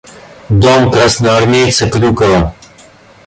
– Дом красноармейца Крюкова.